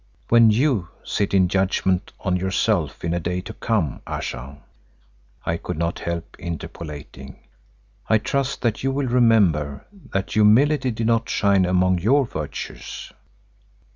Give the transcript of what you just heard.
"When you sit in judgment on yourself in a day to come, Ayesha," I could not help interpolating, "I trust that you will remember that humility did not shine among your virtues."